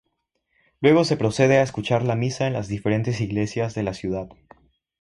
Luego se procede a escuchar la misa en las diferentes iglesias de la ciudad.